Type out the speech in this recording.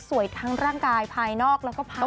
ทั้งร่างกายภายนอกแล้วก็ภาย